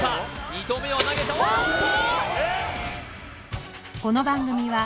２投目を投げたおっと！